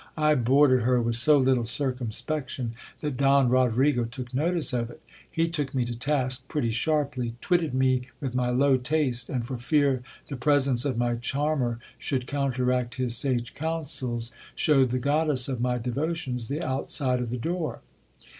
I boarded her with so little circumspection that Don Rodrigo took notice of it. He took me to task pretty sharply ; twitted me with my low taste ; and, for fear the presence of my charmer should counteract his sage counsels, showed the goddess of my devotions the outside of the door.